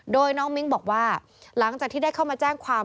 โดยน้องมิ้งบอกว่าหลังจากที่ได้เข้ามาแจ้งความ